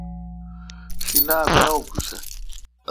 شیناک نہ اکوسہ۔